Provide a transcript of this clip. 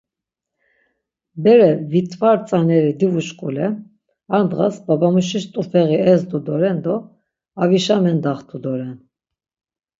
Bere vit̆var tzaneri divuşkule ar ndğas babamuşiş t̆ufeği ezdu doren do avişa mendaxtu doren.